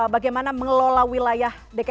bagaimana mengelola wilayah dki jakarta sebagai perintah